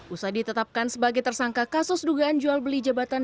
usai ditetapkan sebagai tersangka kasus dugaan jual beli jabatan